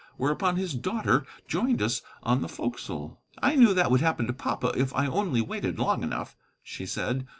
Whereupon his daughter joined us on the forecastle. "I knew that would happen to papa if I only waited long enough," she said.